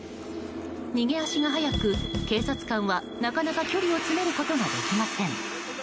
逃げ足が速く警察官はなかなか距離を詰めることができません。